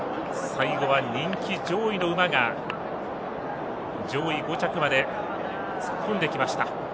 最後は人気上位の馬が上位５着まで突っ込んできました。